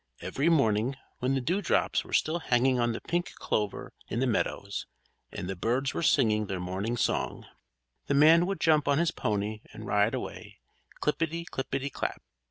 Every morning when the dewdrops were still hanging on the pink clover in the meadows, and the birds were singing their morning song, the man would jump on his pony and ride away, clippety, clippety, clap!